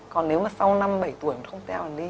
còn nếu mà sau năm bảy tuổi nó không teo dần đi